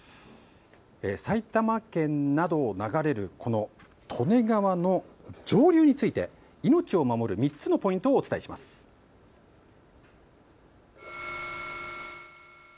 埼玉県などを流れるこの利根川の上流について命を守る３つのポイントをお伝えします。